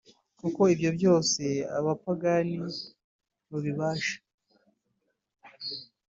Kuko ibyo byose abapagani babibasha